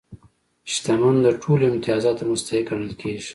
شتمن د ټولو امتیازاتو مستحق ګڼل کېږي.